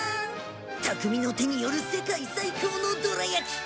匠の手による世界最高のどら焼き！